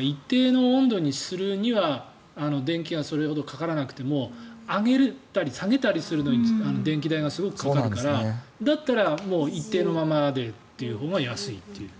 一定の温度にするには電気代がそれほどかからなくても上げたり下げたりするのに電気代がかかるからだったら、一定のままでのほうが安いという。